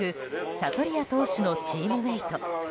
サトリア投手のチームメート